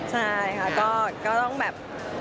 ใช่ค่ะก็ต้องแบบ